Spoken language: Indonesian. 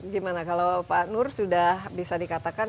gimana kalau pak nur sudah bisa dikatakan